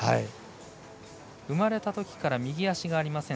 生まれたときから右足がありません。